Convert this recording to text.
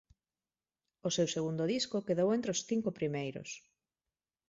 O seu segundo disco quedou entre os cinco primeiros.